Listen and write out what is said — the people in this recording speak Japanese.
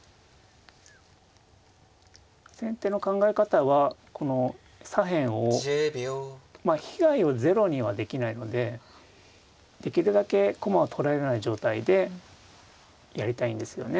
先手の考え方はこの左辺をまあ被害をゼロにはできないのでできるだけ駒を取られない状態でやりたいんですよね。